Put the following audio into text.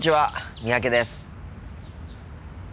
三宅です。